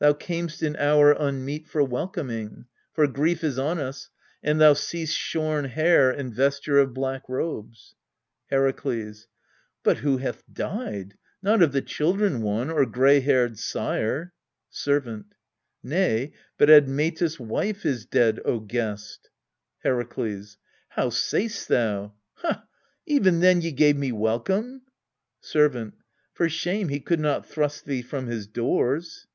Thou cam'st in hour unmeet for welcoming, For grief is on us ; and thou see'st shorn hair And vesture of black robes. Herakles. But who hath died? Not of the children one, or gray haired sire? Servant. Nay, but Admetus' wife is dead, O guest! Herakles. How sayst thou? Ha! even then ye gave me welcome? Servant. For shame he could not thrust thee from his doors.